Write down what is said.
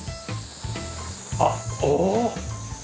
あっおお！